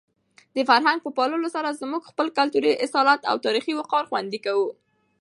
د فرهنګ په پاللو سره موږ خپل کلتوري اصالت او تاریخي وقار خوندي کوو.